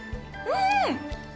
うん！